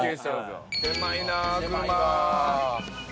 狭いな、車。